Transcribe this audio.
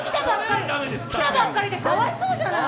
来たばっかりでかわいそうじゃない。